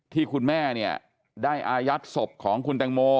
ที่คุณแม่เนี่ยได้อายัดศพของคุณแตงโม